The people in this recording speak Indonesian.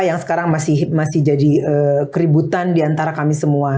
yang sekarang masih jadi keributan diantara kami semua